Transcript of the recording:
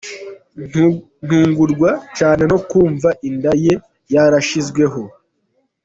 Ntungurwa cyane no kumva inda ye yaranshyizweho.